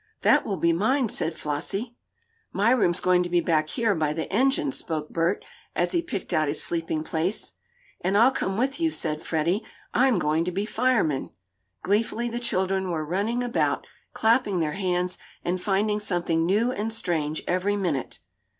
"That will be mine," said Flossie. "My room's going to be back here, by the engine," spoke Bert, as he picked out his sleeping place. "And I'll come with you," said Freddie. "I'm going to be fireman!" Gleefully the children were running about, clapping their hands, and finding something new and strange every minute.